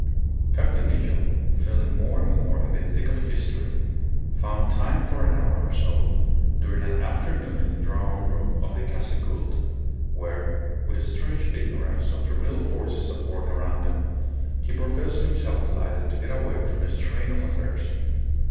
Captain Mitchell, feeling more and more in the thick of history, found time for an hour or so during an afternoon in the drawing room of the Casa Gould, where, with a strange ignorance of the real forces at work around him, he professed himself delighted to get away from the strain of affairs.